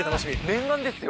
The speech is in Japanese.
念願ですよ。